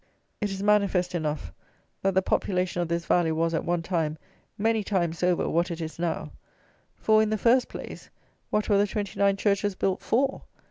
It is manifest enough, that the population of this valley was, at one time, many times over what it is now; for, in the first place, what were the twenty nine churches built for?